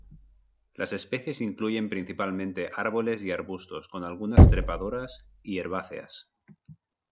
Las especies incluyen principalmente árboles y arbustos, con algunas trepadoras y herbáceas.